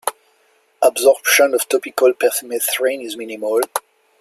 Absorption of topical permethrin is minimal.